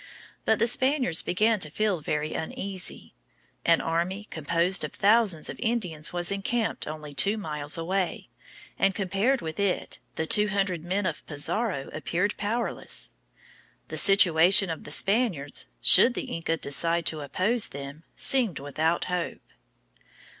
But the Spaniards began to feel very uneasy. An army composed of thousands of Indians was encamped only two miles away; and compared with it, the two hundred men of Pizarro appeared powerless. The situation of the Spaniards, should the Inca decide to oppose them, seemed without hope.